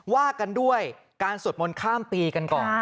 ว่ากันด้วยการสวดมนต์ข้ามปีกันก่อน